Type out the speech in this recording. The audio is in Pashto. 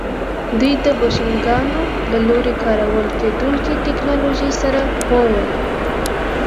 دوی د بوشنګانو له لوري کارول کېدونکې ټکنالوژۍ سره پوه وو